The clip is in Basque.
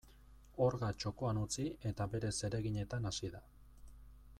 Orga txokoan utzi eta bere zereginetan hasi da.